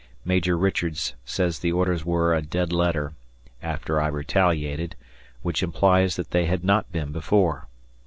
Major Richards says the orders were "a dead letter" after I retaliated, which implies that they had not been before.